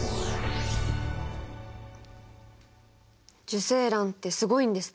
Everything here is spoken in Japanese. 受精卵ってすごいんですね。